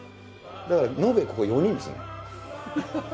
だから延べここ４人ですね。